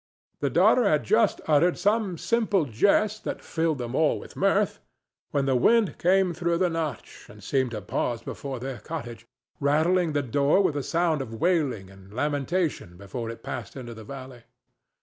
The daughter had just uttered some simple jest that filled them all with mirth, when the wind came through the Notch and seemed to pause before their cottage, rattling the door with a sound of wailing and lamentation before it passed into the valley.